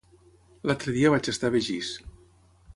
L'altre dia vaig estar a Begís.